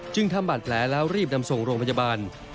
ทำบาดแผลแล้วรีบนำส่งโรงพยาบาล